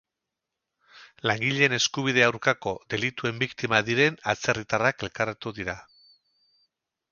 Langileen eskubideen aurkako delituen biktima diren atzerritarrak elkartu dira.